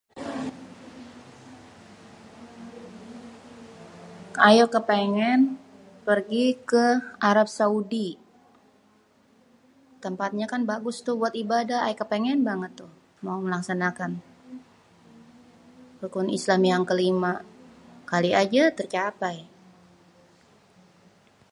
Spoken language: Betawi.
ayè ke pèngèn, pergi ke arab saudi, tempat nya kan bagus tuh buat ibadah ayè kepèngèn banget tuh mau melaksanakan, rukun islam yang ke lima, kali ajè tercapai.